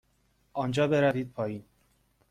آنجا بروید پایین.